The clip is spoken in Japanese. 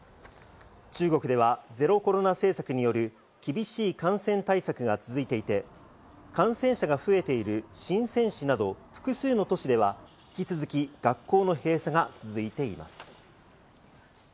中国ではゼロコロナ政策による厳しい感染対策が続いていて、感染者が増えているシンセン市など複数の都市では、引き続き学校の閉鎖が続いています。